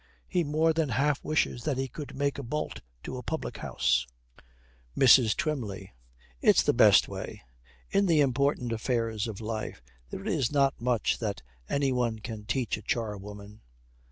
He more than half wishes that he could make a bolt to a public house. MRS. TWYMLEY. 'It's the best way.' In the important affairs of life there is not much that any one can teach a charwoman.